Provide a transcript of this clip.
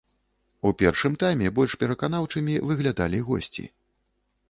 У першым тайме больш пераканаўчымі выглядалі госці.